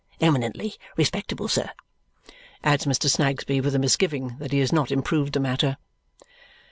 Eminently respectable, sir," adds Mr. Snagsby with a misgiving that he has not improved the matter.